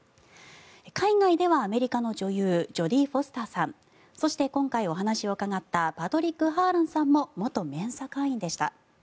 海外ではアメリカの女優ジョディ・フォスターさんそして、今回お話を伺ったパトリック・ハーランさんも元メンサ会員でした。